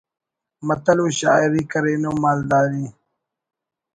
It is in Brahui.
متل و شاعری کرینو مالداری